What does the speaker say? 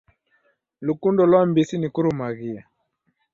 Lukundo lwa mbisi ni kurumaghia.